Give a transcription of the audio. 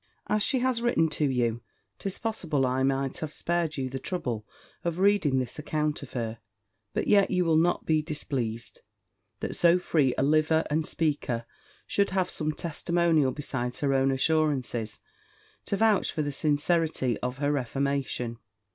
"As she has written to you 'tis possible I might have spared you the trouble of reading this account of her; but yet you will not be displeased, that so free a liver and speaker should have some testimonial besides her own assurances, to vouch for the sincerity of her reformation.